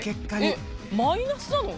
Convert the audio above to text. えっマイナスなの！？